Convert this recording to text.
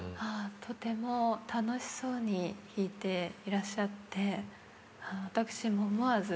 とても楽しそうに弾いていらっしゃって私も思わず。